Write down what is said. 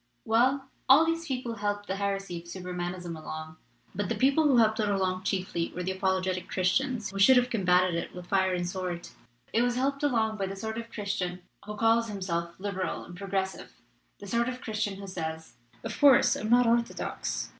"Well, all these people helped the heresy of Supermanism along. But the people who helped it along chiefly were the apologetic Christians, who should have combated it with fire and sword. It was helped along by the sort of Christian who calls himself ' liberal* and 'progressive,' the sort of Christian who says, 'Of couse, I'm not orthodox.'